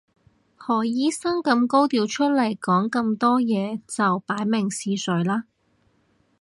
何醫生咁高調出嚟講咁多嘢就擺明試水啦